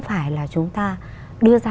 phải là chúng ta đưa ra